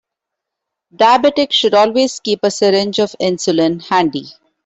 Diabetics should always keep a syringe of insulin handy.